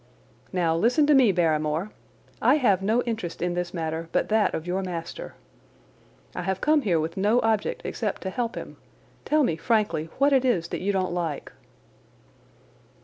"Now, listen to me, Barrymore! I have no interest in this matter but that of your master. I have come here with no object except to help him. Tell me, frankly, what it is that you don't like."